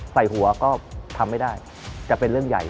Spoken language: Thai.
ใส่หัวก็ทำไม่ได้จะเป็นเรื่องใหญ่